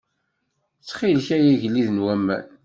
Txil-k ay Agellid n waman.